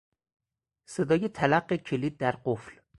صدای تلق کلید در قفل